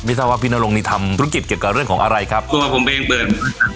ทราบว่าพี่นรงนี่ทำธุรกิจเกี่ยวกับเรื่องของอะไรครับตัวผมเองเป็น